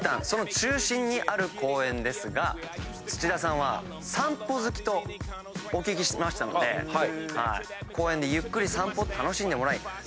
その中心にある公園ですが土田さんは散歩好きとお聞きしましたので公園でゆっくり散歩を楽しんでもらい。